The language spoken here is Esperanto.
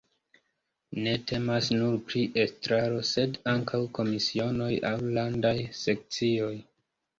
Ne temas nur pri estraro, sed ankaŭ komisionoj aŭ landaj sekcioj.